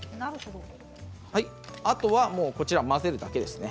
あとは混ぜるだけですね。